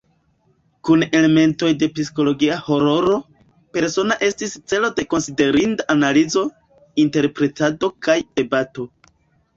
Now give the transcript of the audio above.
Kun elementoj de psikologia hororo, "Persona" estis celo de konsiderinda analizo, interpretado kaj debato.